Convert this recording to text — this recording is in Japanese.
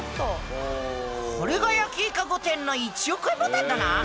これが焼きイカ御殿の１億円ボタンだな！？